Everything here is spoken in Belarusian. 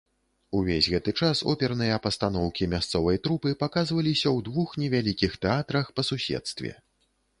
Увесь гэты час оперныя пастаноўкі мясцовай трупы паказваліся ў двух невялікіх тэатрах па суседстве.